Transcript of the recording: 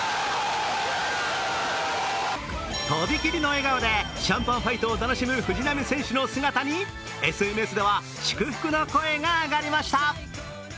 とびきりの笑顔でシャンパンファイトを楽しむ藤浪選手の姿に、ＳＮＳでは祝福の声が上がりました。